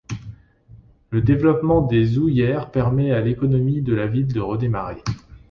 Le développement des houillères permet à l’économie de la ville de redémarrer.